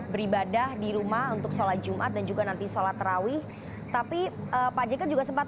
beribadah di rumah untuk sholat jumat dan juga nanti sholat terawih tapi pak jk juga sempat